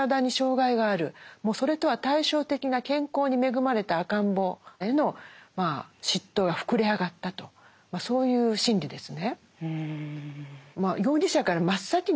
もうそれとは対照的な健康に恵まれた赤ん坊への嫉妬が膨れ上がったとそういう心理ですね。